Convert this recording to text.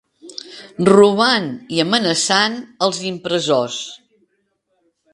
Robant i amenaçant els impressors.